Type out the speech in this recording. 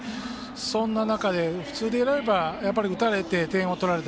そんな中で普通であればやっぱり打たれて点を取られた。